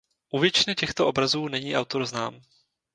U většiny těchto obrazů není autor znám.